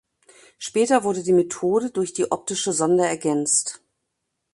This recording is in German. Später wurde die Methode durch die optische Sonde ergänzt.